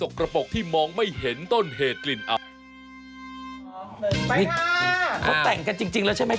เขาแต่งกันจริงแล้วใช่มั้ย